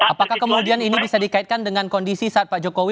apakah kemudian ini bisa dikaitkan dengan kondisi saat pak jokowi